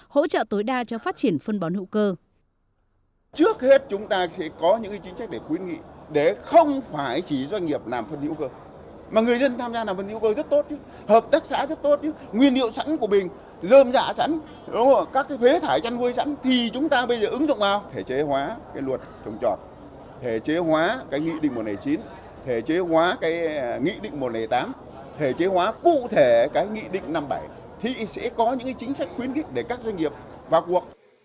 hỗ trợ tối đa cho phát triển phân bón hữu cơ